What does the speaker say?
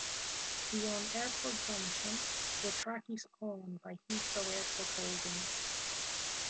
Beyond Airport Junction the track is owned by Heathrow Airport Holdings.